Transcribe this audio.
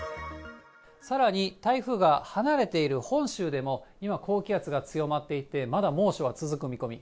さらに台風が離れている本州でも、今、高気圧が強まっていて、まだ猛暑は続く見込み。